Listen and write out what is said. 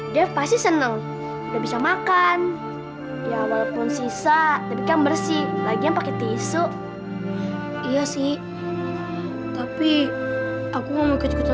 depasi seneng bisa makan ya walaupun sisa lebih bersih lagi pakai tisu iya sih tapi aku mau kejutan